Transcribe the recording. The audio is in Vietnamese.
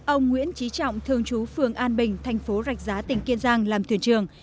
ông nguyễn trí trọng thường chú phường an bình thành phố rạch giá tỉnh kiên giang làm thuyền trường